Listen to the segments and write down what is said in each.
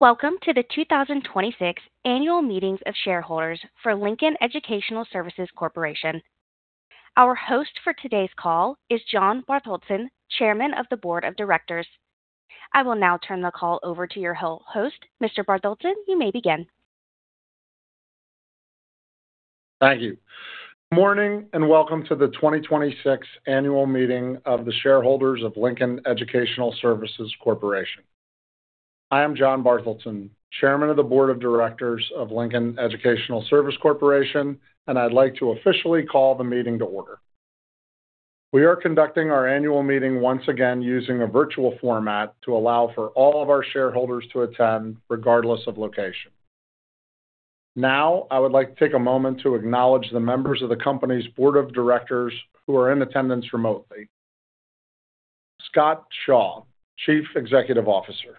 Welcome to the 2026 annual meetings of shareholders for Lincoln Educational Services Corporation. Our host for today's call is John Bartholdson, Chairman of the Board of Directors. I will now turn the call over to your host. Mr. Bartholdson, you may begin. Thank you. Morning, and welcome to the 2026 annual meeting of the shareholders of Lincoln Educational Services Corporation. I am John Bartholdson, Chairman of the Board of Directors of Lincoln Educational Services Corporation, and I'd like to officially call the meeting to order. We are conducting our annual meeting once again using a virtual format to allow for all of our shareholders to attend regardless of location. I would like to take a moment to acknowledge the members of the company's Board of Directors who are in attendance remotely. Scott Shaw, Chief Executive Officer.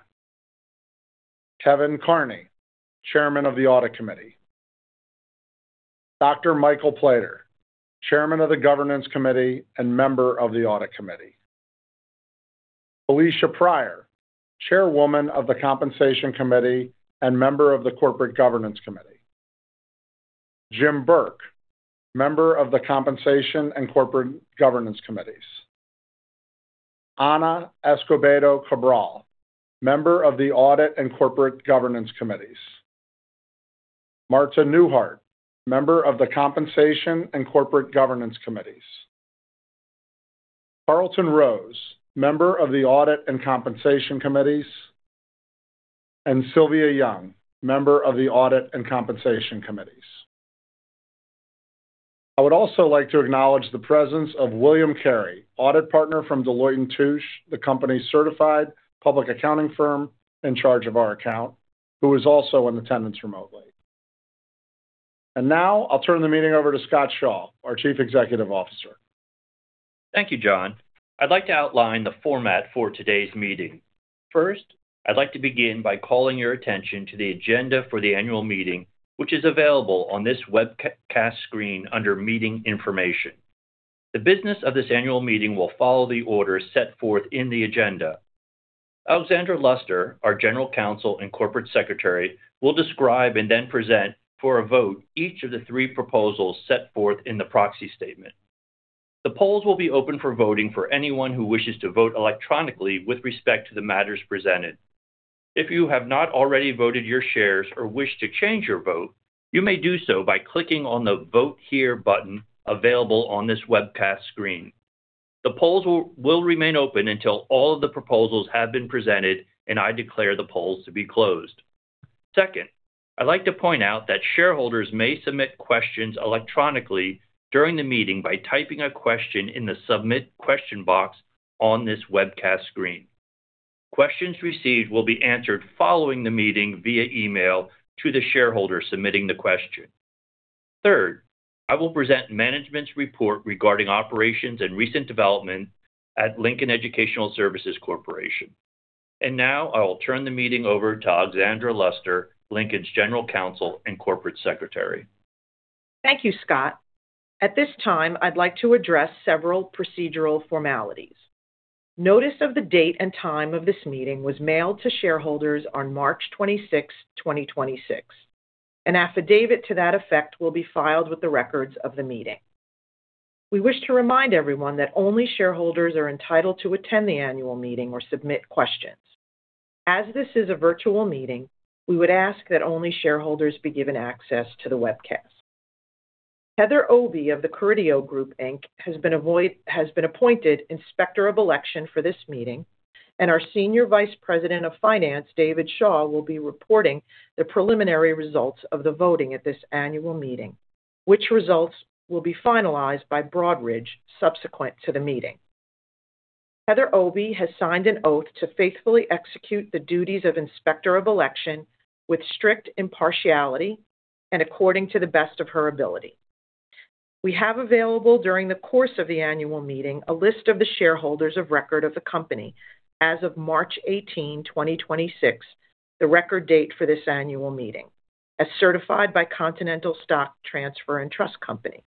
Kevin Carney, Chairman of the Audit Committee. Dr. Michael Plater, Chairman of the Governance Committee and member of the Audit Committee. Felecia Pryor, Chairwoman of the Compensation Committee and member of the Corporate Governance Committee. Jim Burke, member of the Compensation and Corporate Governance Committees. Anna Escobedo Cabral, member of the audit and corporate governance committees. Marta Newhart, member of the compensation and corporate governance committees. Carlton Rose, member of the audit and compensation committees, and Sylvia Young, member of the audit and compensation committees. I would also like to acknowledge the presence of William Carey, audit partner from Deloitte & Touche, the company's certified public accounting firm in charge of our account, who is also in attendance remotely. Now I'll turn the meeting over to Scott Shaw, our Chief Executive Officer. Thank you, John. I'd like to outline the format for today's meeting. First, I'd like to begin by calling your attention to the agenda for the annual meeting, which is available on this webcast screen under Meeting Information. The business of this annual meeting will follow the order set forth in the agenda. Alexandra Luster, our General Counsel and Corporate Secretary, will describe and then present for a vote each of the three proposals set forth in the proxy statement. The polls will be open for voting for anyone who wishes to vote electronically with respect to the matters presented. If you have not already voted your shares or wish to change your vote, you may do so by clicking on the Vote Here button available on this webcast screen. The polls will remain open until all of the proposals have been presented and I declare the polls to be closed. Second, I'd like to point out that shareholders may submit questions electronically during the meeting by typing a question in the submit question box on this webcast screen. Questions received will be answered following the meeting via email to the shareholder submitting the question. Third, I will present management's report regarding operations and recent development at Lincoln Educational Services Corporation. Now I will turn the meeting over to Alexandra Luster, Lincoln's General Counsel and Corporate Secretary. Thank you, Scott. At this time, I'd like to address several procedural formalities. Notice of the date and time of this meeting was mailed to shareholders on March 26th, 2026. An affidavit to that effect will be filed with the records of the meeting. We wish to remind everyone that only shareholders are entitled to attend the annual meeting or submit questions. As this is a virtual meeting, we would ask that only shareholders be given access to the webcast. Heather Obie of The Carideo Group Inc. has been appointed Inspector of Election for this meeting, and our Senior Vice President of Finance, David Shaw, will be reporting the preliminary results of the voting at this annual meeting, which results will be finalized by Broadridge subsequent to the meeting. Heather Obie has signed an oath to faithfully execute the duties of Inspector of Election with strict impartiality and according to the best of her ability. We have available during the course of the annual meeting, a list of the shareholders of record of the company as of March 18th, 2026, the record date for this annual meeting, as certified by Continental Stock Transfer & Trust Company.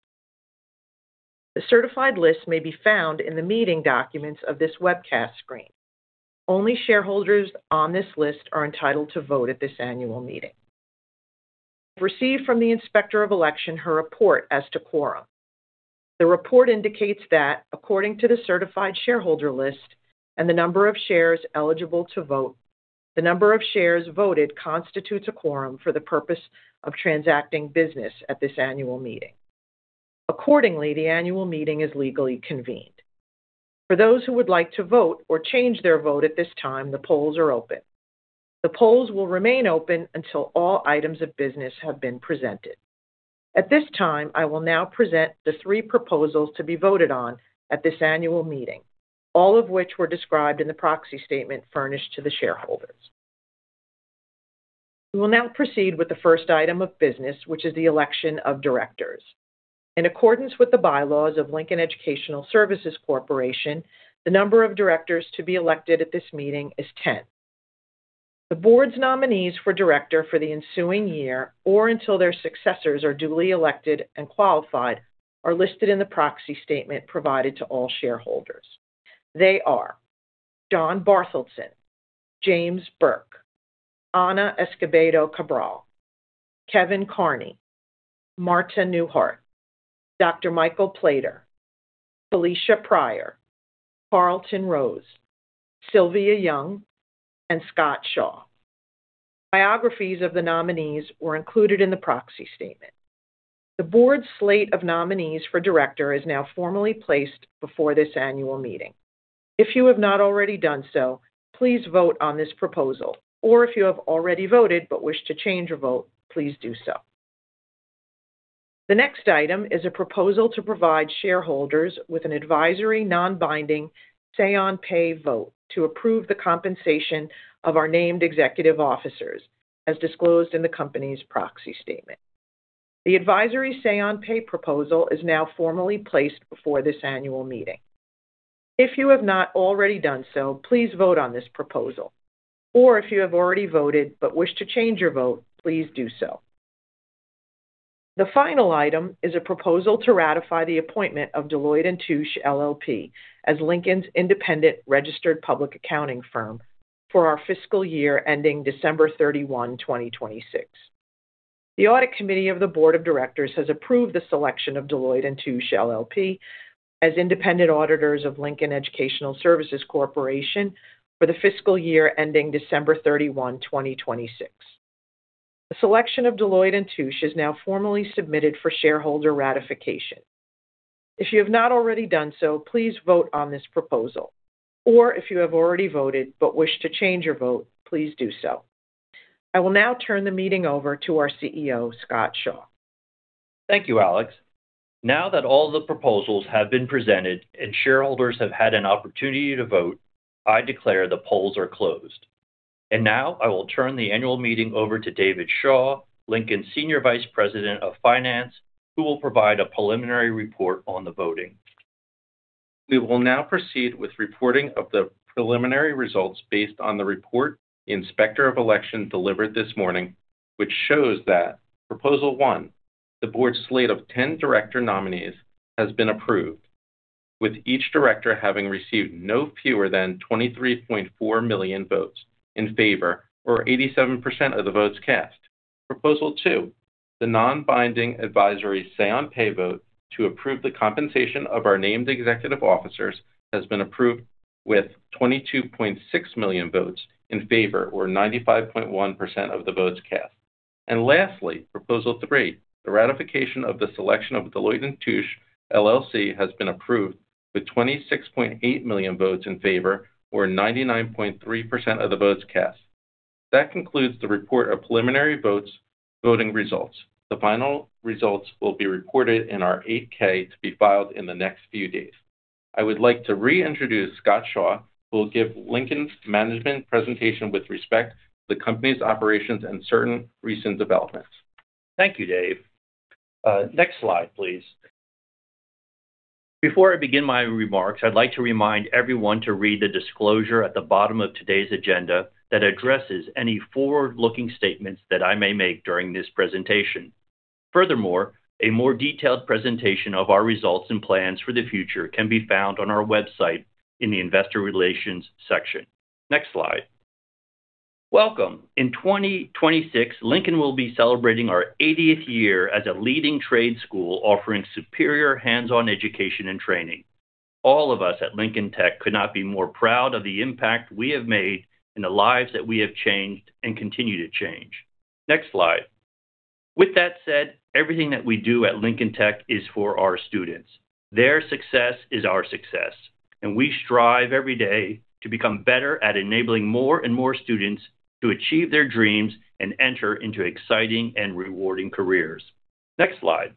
The certified list may be found in the meeting documents of this webcast screen. Only shareholders on this list are entitled to vote at this annual meeting. Received from the Inspector of Election her report as to quorum. The report indicates that according to the certified shareholder list and the number of shares eligible to vote, the number of shares voted constitutes a quorum for the purpose of transacting business at this annual meeting. Accordingly, the annual meeting is legally convened. For those who would like to vote or change their vote at this time, the polls are open. The polls will remain open until all items of business have been presented. At this time, I will now present the three proposals to be voted on at this annual meeting, all of which were described in the proxy statement furnished to the shareholders. We will now proceed with the first item of business, which is the election of directors. In accordance with the bylaws of Lincoln Educational Services Corporation, the number of directors to be elected at this meeting is 10. The board's nominees for director for the ensuing year, or until their successors are duly elected and qualified, are listed in the proxy statement provided to all shareholders. They are John Bartholdson, James Burke, Anna Escobedo Cabral, Kevin Carney, Marta Newhart, Dr. Michael Plater, Felecia Pryor, Carlton Rose, Sylvia Young, and Scott Shaw. Biographies of the nominees were included in the proxy statement. The board slate of nominees for director is now formally placed before this annual meeting. If you have not already done so, please vote on this proposal, or if you have already voted but wish to change your vote, please do so. The next item is a proposal to provide shareholders with an advisory non-binding say on pay vote to approve the compensation of our named executive officers as disclosed in the company's proxy statement. The advisory say on pay proposal is now formally placed before this annual meeting. If you have not already done so, please vote on this proposal, or if you have already voted but wish to change your vote, please do so. The final item is a proposal to ratify the appointment of Deloitte & Touche LLP as Lincoln's independent registered public accounting firm for our fiscal year ending December 31th, 2026. The audit committee of the board of directors has approved the selection of Deloitte & Touche LLP as independent auditors of Lincoln Educational Services Corporation for the fiscal year ending December 31th, 2026. The selection of Deloitte & Touche is now formally submitted for shareholder ratification. If you have not already done so, please vote on this proposal, or if you have already voted but wish to change your vote, please do so. I will now turn the meeting over to our CEO, Scott Shaw. Thank you, Alex. Now that all the proposals have been presented and shareholders have had an opportunity to vote, I declare the polls are closed. Now I will turn the annual meeting over to David Shaw, Lincoln's Senior Vice President of Finance, who will provide a preliminary report on the voting. We will now proceed with reporting of the preliminary results based on the report the Inspector of Election delivered this morning, which shows that Proposal one, the board slate of 10 director nominees has been approved, with each director having received no fewer than 23.4 million votes in favor, or 87% of the votes cast. Proposal two, the non-binding advisory say on pay vote to approve the compensation of our named executive officers has been approved with 22.6 million votes in favor, or 95.1% of the votes cast. Lastly, Proposal three, the ratification of the selection of Deloitte & Touche LLP has been approved with 26.8 million votes in favor, or 99.3% of the votes cast. That concludes the report of preliminary votes, voting results. The final results will be reported in our 8-K to be filed in the next few days. I would like to reintroduce Scott Shaw, who will give Lincoln's management presentation with respect to the company's operations and certain recent developments. Thank you, Dave. Next slide, please. Before I begin my remarks, I'd like to remind everyone to read the disclosure at the bottom of today's agenda that addresses any forward-looking statements that I may make during this presentation. Furthermore, a more detailed presentation of our results and plans for the future can be found on our website in the Investor Relations section. Next slide. Welcome. In 2026, Lincoln will be celebrating our 80th year as a leading trade school offering superior hands-on education and training. All of us at Lincoln Tech could not be more proud of the impact we have made and the lives that we have changed and continue to change. Next slide. With that said, everything that we do at Lincoln Tech is for our students. Their success is our success, and we strive every day to become better at enabling more and more students to achieve their dreams and enter into exciting and rewarding careers. Next slide.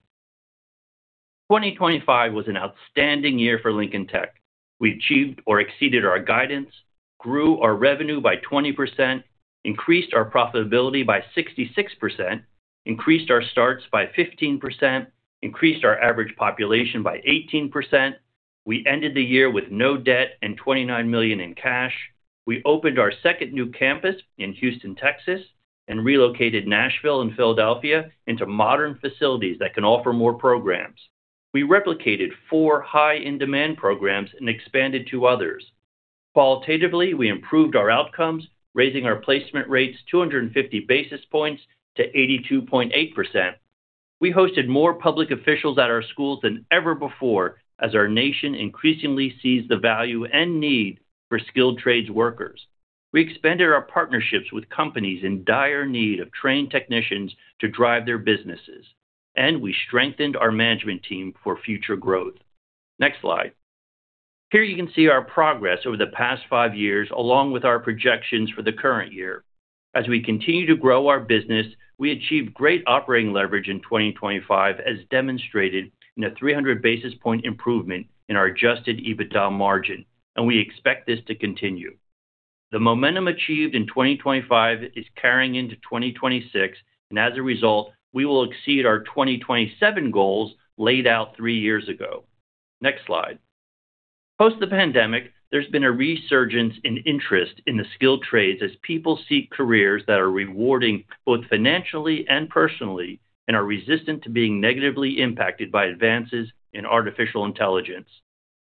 2025 was an outstanding year for Lincoln Tech. We achieved or exceeded our guidance, grew our revenue by 20%, increased our profitability by 66%, increased our starts by 15%, increased our average population by 18%. We ended the year with no debt and $29 million in cash. We opened our second new campus in Houston, Texas, and relocated Nashville and Philadelphia into modern facilities that can offer more programs. We replicated four high in-demand programs and expanded to others. Qualitatively, we improved our outcomes, raising our placement rates 250 basis points to 82.8%. We hosted more public officials at our schools than ever before as our nation increasingly sees the value and need for skilled trades workers. We expanded our partnerships with companies in dire need of trained technicians to drive their businesses, and we strengthened our management team for future growth. Next slide. Here you can see our progress over the past five years, along with our projections for the current year. As we continue to grow our business, we achieved great operating leverage in 2025, as demonstrated in a 300 basis points improvement in our adjusted EBITDA margin, and we expect this to continue. The momentum achieved in 2025 is carrying into 2026, and as a result, we will exceed our 2027 goals laid out three years ago. Next slide. Post the pandemic, there's been a resurgence in interest in the skilled trades as people seek careers that are rewarding both financially and personally and are resistant to being negatively impacted by advances in artificial intelligence.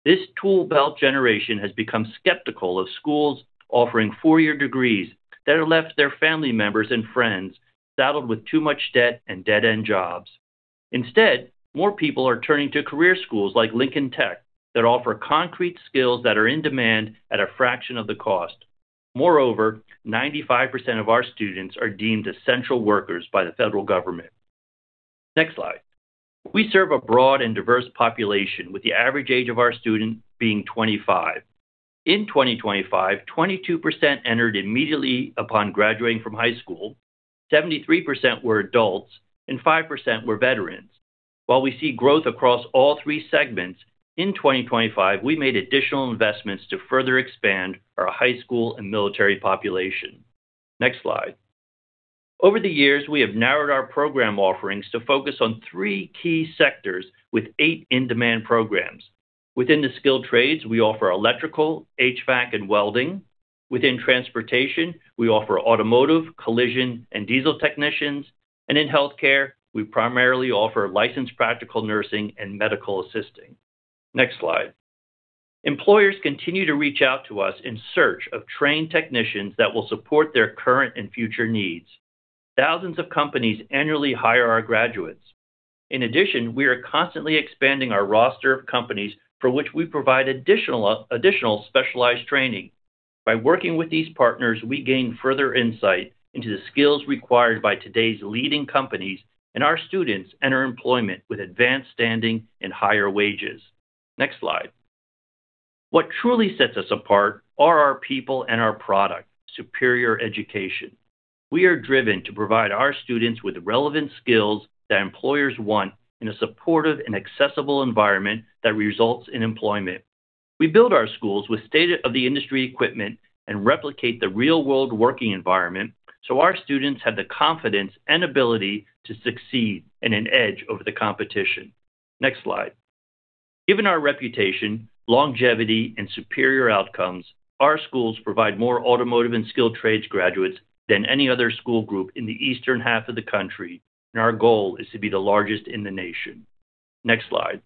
This Tool Belt Generation has become skeptical of schools offering four-year degrees that have left their family members and friends saddled with too much debt and dead-end jobs. Instead, more people are turning to career schools like Lincoln Tech that offer concrete skills that are in demand at a fraction of the cost. Moreover, 95% of our students are deemed essential workers by the federal government. Next slide. We serve a broad and diverse population, with the average age of our students being 25. In 2025, 22% entered immediately upon graduating from high school, 73% were adults, and 5% were veterans. While we see growth across all 3 segments, in 2025, we made additional investments to further expand our high school and military population. Next slide. Over the years, we have narrowed our program offerings to focus on three key sectors with eight in-demand programs. Within the skilled trades, we offer electrical, HVAC, and welding. Within transportation, we offer automotive, collision, and diesel technicians. In healthcare, we primarily offer licensed practical nursing and medical assisting. Next slide. Employers continue to reach out to us in search of trained technicians that will support their current and future needs. Thousands of companies annually hire our graduates. In addition, we are constantly expanding our roster of companies for which we provide additional specialized training. By working with these partners, we gain further insight into the skills required by today's leading companies, and our students enter employment with advanced standing and higher wages. Next slide. What truly sets us apart are our people and our product, superior education. We are driven to provide our students with relevant skills that employers want in a supportive and accessible environment that results in employment. We build our schools with state-of-the-industry equipment and replicate the real-world working environment, so our students have the confidence and ability to succeed and an edge over the competition. Next slide. Given our reputation, longevity, and superior outcomes, our schools provide more automotive and skilled trades graduates than any other school group in the eastern half of the country, and our goal is to be the largest in the nation. Next slide.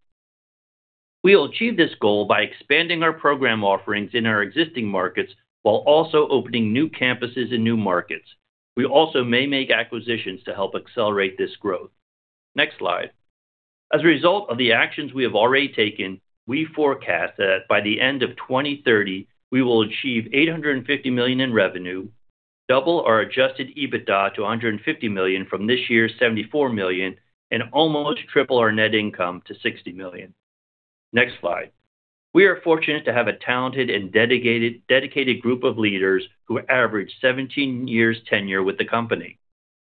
We will achieve this goal by expanding our program offerings in our existing markets while also opening new campuses in new markets. We also may make acquisitions to help accelerate this growth. Next slide. As a result of the actions we have already taken, we forecast that by the end of 2030, we will achieve $850 million in revenue, double our adjusted EBITDA to $150 million from this year's $74 million, and almost triple our net income to $60 million. Next slide. We are fortunate to have a talented and dedicated group of leaders who average 17 years tenure with the company.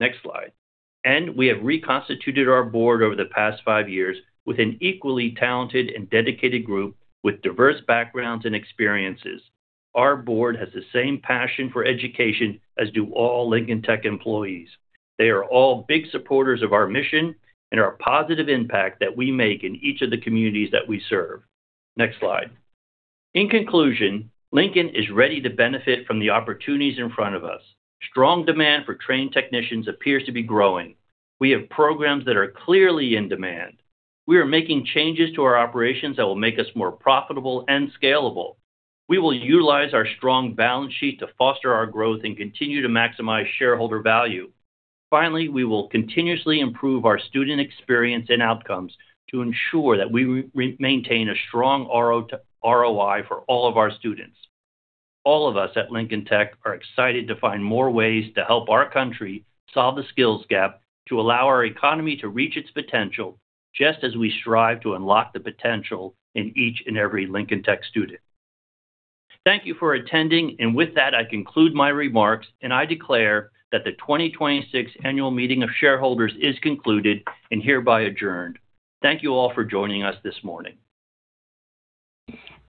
Next slide. We have reconstituted our board over the past 5 years with an equally talented and dedicated group with diverse backgrounds and experiences. Our board has the same passion for education as do all Lincoln Tech employees. They are all big supporters of our mission and our positive impact that we make in each of the communities that we serve. Next slide. In conclusion, Lincoln is ready to benefit from the opportunities in front of us. Strong demand for trained technicians appears to be growing. We have programs that are clearly in demand. We are making changes to our operations that will make us more profitable and scalable. We will utilize our strong balance sheet to foster our growth and continue to maximize shareholder value. Finally, we will continuously improve our student experience and outcomes to ensure that we maintain a strong ROI for all of our students. All of us at Lincoln Tech are excited to find more ways to help our country solve the skills gap to allow our economy to reach its potential, just as we strive to unlock the potential in each and every Lincoln Tech student. Thank you for attending, and with that, I conclude my remarks. I declare that the 2026 Annual Meeting of Shareholders is concluded and hereby adjourned. Thank you all for joining us this morning.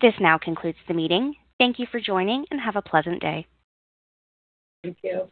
This now concludes the meeting. Thank you for joining, and have a pleasant day. Thank you.